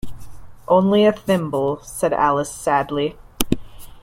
‘Only a thimble,’ said Alice sadly.